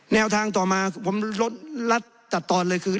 แนวทางต่อมาผมลดรัฐตัดตอนเลยคือ